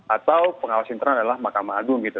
atau pengawasan internal adalah makam agung gitu